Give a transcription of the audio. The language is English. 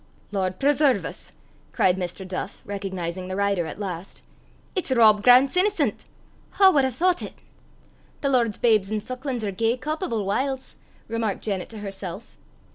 "Lord preserve 's!" cried Mr. Duff, recognizing the rider at last, "it's Rob Grant's innocent! Wha wad hae thoucht it?" "The Lord's babes an' sucklin's are gey cawpable whiles," remarked Janet to herself.